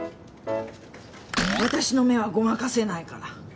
私の目はごまかせないから。